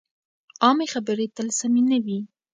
عامې خبرې تل سمې نه وي.